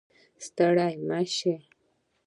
ستړی مه شې